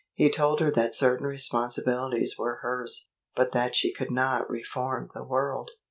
He told her that certain responsibilities were hers, but that she could not reform the world.